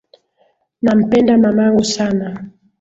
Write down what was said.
Nampenda mamangu sana.